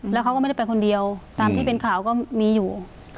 แล้วเขาก็ไม่ได้ไปคนเดียวตามที่เป็นข่าวก็มีอยู่